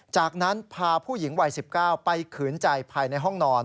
จากนั้นพาผู้หญิงวัย๑๙ไปขืนใจภายในห้องนอน